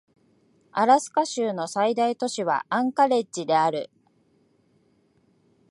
アラスカ州の最大都市はアンカレッジである